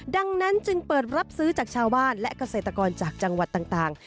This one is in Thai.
ดังนั้นจึงเปิดรับซื้อจากชาวบ้านและเกษตรกรจากจังหวัดต่าง